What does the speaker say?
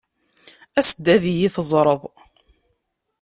As-d ad iyi-teẓṛeḍ.